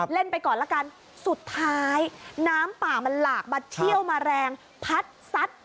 เล่นไปก่อนละกันสุดท้ายน้ำป่ามันหลากมาเที่ยวมาแรงพัดซัด